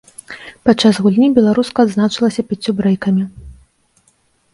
Падчас гульні беларуска адзначылася пяццю брэйкамі.